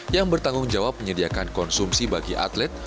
yang bertanggung jawab menyediakan konsumsi bagi atlet